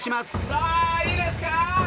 さあいいですか？